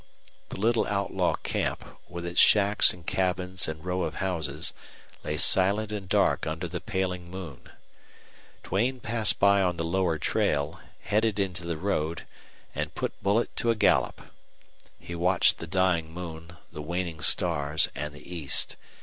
The little outlaw camp, with its shacks and cabins and row of houses, lay silent and dark under the paling moon. Duane passed by on the lower trail, headed into the road, and put Bullet to a gallop. He watched the dying moon, the waning stars, and the east.